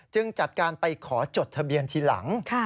จัดการไปขอจดทะเบียนทีหลัง